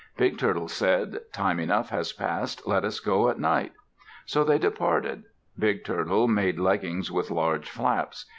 Big Turtle said, "Time enough has passed. Let us go at night." So they departed. Big Turtle made leggings with large flaps.